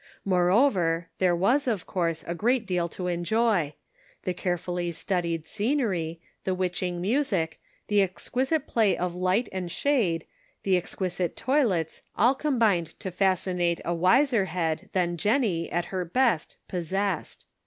Moreover, there was, of course, a great deal to enjoy ; the carefully studied scenery, the witching music, the exquisite play of light and shade, the exquisite toilets all combined to fascinate a wiser head than Jennie, at her best, possessed.